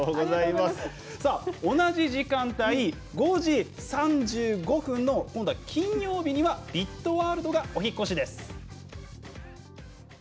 同じ時間帯、５時３５分の今度は金曜日には「ビットワールド」がお引っ越しです。